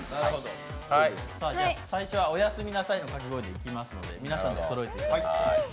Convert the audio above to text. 最初は「おやすみなさい」のかけ声でいきますので、皆さんでそろえてください。